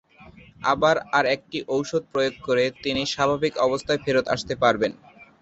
আবার আর একটি ঔষধ প্রয়োগ করে তিনি স্বাভাবিক অবস্থায় ফেরত আসতে পারবেন।